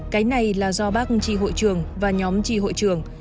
cái này là do bác trì hội trường và nhóm trì hội trường